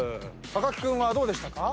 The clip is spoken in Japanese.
木君はどうでしたか？